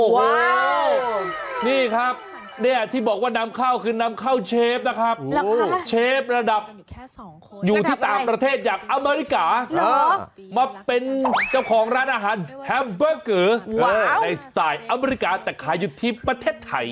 โอ้โหนี่ครับเนี่ยที่บอกว่านำเข้าคือนำเข้าเชฟนะครับเชฟระดับอยู่ที่ต่างประเทศอย่างอเมริกามาเป็นเจ้าของร้านอาหารแฮมเบอร์เกอร์ในสไตล์อเมริกาแต่ขายอยู่ที่ประเทศไทย